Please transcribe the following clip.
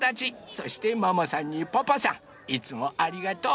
そしてママさんにパパさんいつもありがとう。